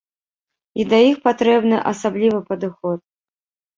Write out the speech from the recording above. І да іх патрэбны асаблівы падыход.